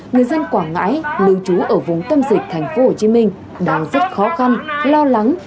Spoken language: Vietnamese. người dân quảng ngãi lưu trú ở vùng tâm dịch tp hcm đang rất khó khăn lo lắng